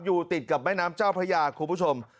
อยู่ติดกับแม่น้ำเจ้าพระยาคุณผู้ชม